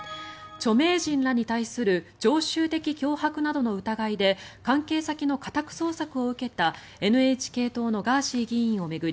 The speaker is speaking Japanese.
著名人らに対する常習的脅迫などの疑いで関係先の家宅捜索を受けたＮＨＫ党のガーシー議員を巡り